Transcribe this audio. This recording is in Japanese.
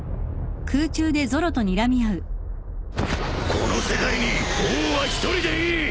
この世界に王は一人でいい！